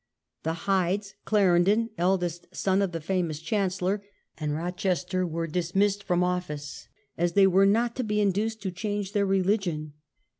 The Hydes, Clarendon (eldest son of the famous chancellor) and Rochester, were dismissed from office, as they were not to be induced to change their religion.